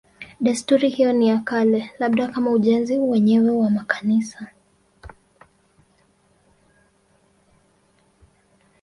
Desturi hiyo ni ya kale, labda kama ujenzi wenyewe wa makanisa.